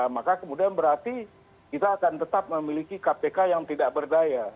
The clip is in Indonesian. maka kemudian berarti kita akan tetap memiliki kpk yang tidak berdaya